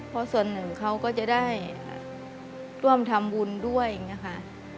เพราะส่วนหนึ่งเขาก็จะได้ร่วมทำวุลด้วยนะคะ